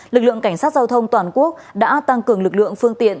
lực lượng cảnh sát giao thông toàn quốc đã tăng cường lực lượng phương tiện